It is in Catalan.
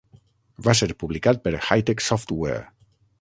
Va ser publicat per Hi-Tec Software.